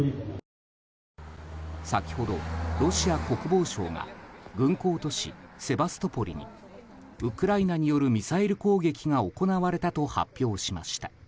先ほどロシア国防省が軍港都市セバストポリにウクライナによるミサイル攻撃が行われたと発表しました。